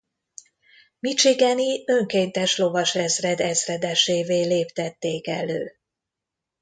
Michigani Önkéntes Lovasezred ezredesévé léptették elő.